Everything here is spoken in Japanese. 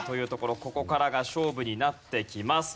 ここからが勝負になってきます。